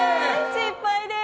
失敗です！